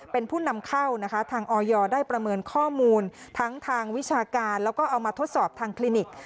เป็นผู้นำเข้านะคะทางออยได้ประเมินข้อมูลทั้งทางวิชาการแล้วก็เอามาทดสอบทางคลินิก